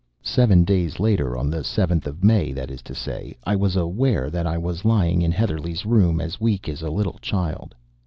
Seven days later (on the 7th of May, that is to say) I was aware that I was lying in Heatherlegh's room as weak as a little child.